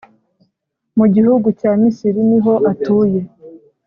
mu gihugu cya Misiri niho atuye